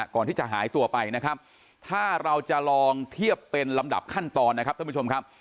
ก่อนที่จะหายตัวไปนะครับถ้าเราจะลองเทียบเป็นลำดับขั้นตอนนะครับท่านผู้ชมครับ